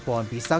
tidak ada batang